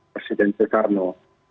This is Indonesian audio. presiden bung karno